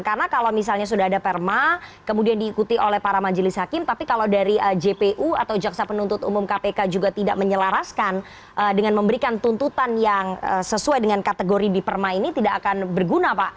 karena kalau misalnya sudah ada perma kemudian diikuti oleh para majelis hakim tapi kalau dari jpu atau jaksa penuntut umum kpk juga tidak menyelaraskan dengan memberikan tuntutan yang sesuai dengan kategori di perma ini tidak akan berguna pak